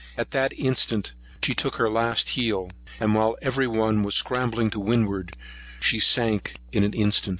At that instant she took her last heel; and, while every one were scrambling to windward, she sunk in an instant.